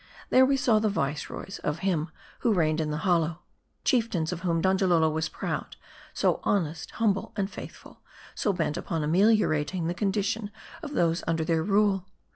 There we saw the viceroys of him who reigned in the hollow : chieftains of whom Donjalolo was proud ; so honest, humble, and faithful ; so bent upon ame liorating the condition of those under their rule.